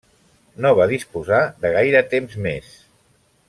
No va disposar de gaire temps més.